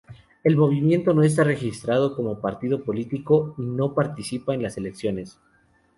El movimiento no está registrado como partido político y no participa en las elecciones.